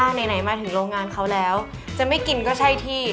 ไหนมาถึงโรงงานเขาแล้วจะไม่กินก็ใช่ที่